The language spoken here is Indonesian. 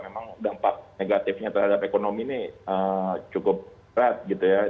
memang dampak negatifnya terhadap ekonomi ini cukup berat gitu ya